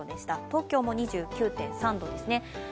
東京も２９．３度ですね。